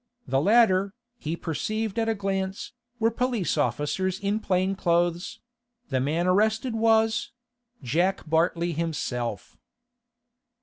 The latter, he perceived at a glance, were police officers in plain clothes; the man arrested was—Jack Bartley himself.